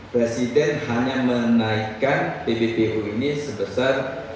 presiden hanya menaikkan pbpu ini sebesar